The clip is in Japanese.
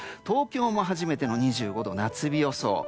東京も初めての２５度夏日予想。